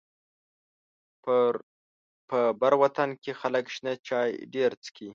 په بر وطن کې خلک شنه چای ډيره څکي.